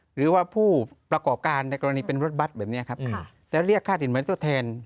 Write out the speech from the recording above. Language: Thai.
หรือว่าผู้ประกอบการในกรณีเป็นรถบัตรแบบนี้ครับแล้วเรียกค่าสินใหม่ทดแทน